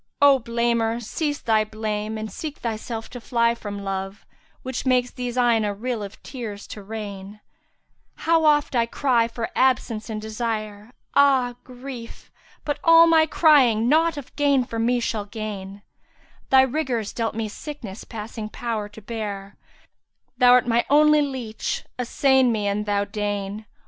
O blamer, cease thy blame, and seek thyself to fly * From love, which makes these eyne a rill of tears to rain. How oft I cry for absence and desire, Ah grief! * But all my crying naught of gain for me shall gain: Thy rigours dealt me sickness passing power to bear, * Thou art my only leach, assain me an thou deign!